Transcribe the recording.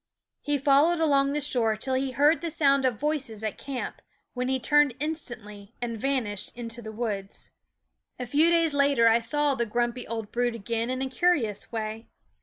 He followed along the shore till he heard the sound of voices at camp, when he turned instantly and vanished into the woods. A few days later I saw the grumpy old brute again in a curious way.